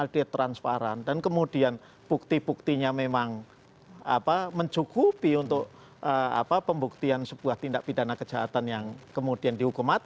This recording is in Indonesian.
dicatat ini ya begitu bagaimana